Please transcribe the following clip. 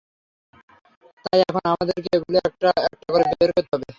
তাই, এখন আমাদেরকে এগুলো একটা একটা করে বের করতে হবে।